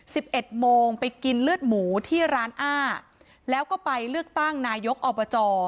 สิบเอ็ดโมงไปกินเลือดหมูที่ร้านอ้าแล้วก็ไปเลือกตั้งนายกอบจ